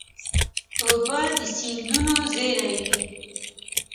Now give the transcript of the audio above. اوبه د سیندونو زېری وي.